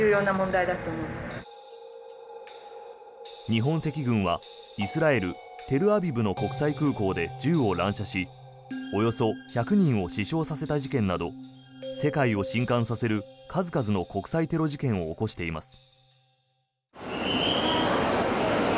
日本赤軍はイスラエル・テルアビブの国際空港で銃を乱射しおよそ１００人を死傷させた事件など世界を震かんさせる数々の国際テロ事件を起こしています。